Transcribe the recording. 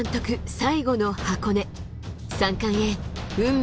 最後の箱根。